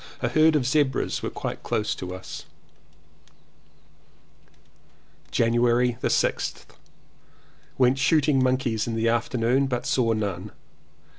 A herd of zebras were quite close to us. January 6th. Went shooting monkeys in the afternoon, but saw none.